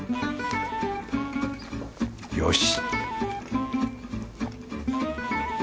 よし